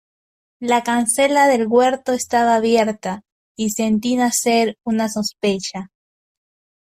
la cancela del huerto estaba abierta, y sentí nacer una sospecha